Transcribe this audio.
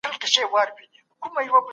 څه شی جګړه له لوی ګواښ سره مخ کوي؟